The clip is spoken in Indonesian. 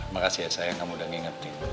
makasih ya saya kamu udah ngingetin